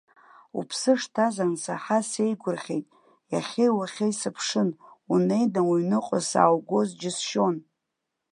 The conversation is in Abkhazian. Уԥсы шҭаз ансаҳа, сеигәырӷьеит, иахьеи-уахеи сыԥшын, унеины уҩныҟа сааугоз џьысшьон.